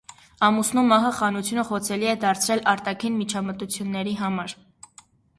Ամուսնու մահը խանությունը խոցելի է դարձրել արտաքին միջամտությունների համար։